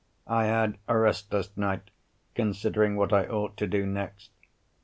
I had a restless night, considering what I ought to do next.